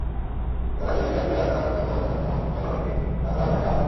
যাতায়াতের সুবিধার্থে রাস্তা প্রশস্তকরণের জন্য হামদু মিয়ার বাড়িটি রাস্তার আওতায় নেওয়া হয়।